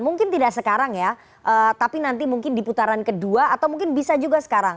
mungkin tidak sekarang ya tapi nanti mungkin di putaran kedua atau mungkin bisa juga sekarang